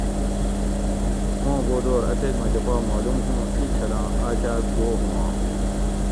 اوں بو دور اتیک مکہ پا معلوم ہوں ایں چھلاں اکاک گو ہُواں